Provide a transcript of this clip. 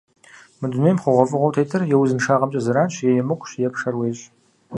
Мы дунейм хъугъуэфӏыгъуэу тетыр е узыншагъэмкӏэ зэранщ, е емыкӏущ, е пшэр уещӏ.